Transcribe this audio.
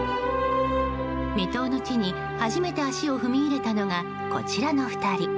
未踏の地に初めて足を踏み入れたのがこちらの２人。